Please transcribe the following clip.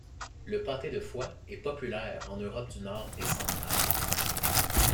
Le pâté de foie est populaire en Europe du nord et centrale.